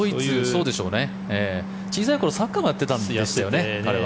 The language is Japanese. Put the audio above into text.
小さい頃にサッカーもやっていたんですよね、彼は。